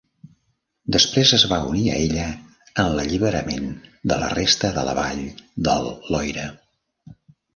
Després es va unir a ella en l'alliberament de la resta de la vall del Loira.